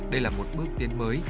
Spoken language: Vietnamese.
đây là một bước tiến mới